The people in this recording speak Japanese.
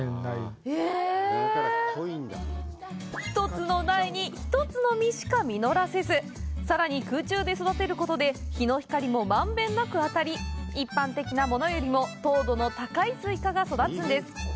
１つの苗に１つの実しか実らせずさらに空中で育てることで日の光も満遍なく当たり一般的なものよりも糖度の高いスイカが育つんです。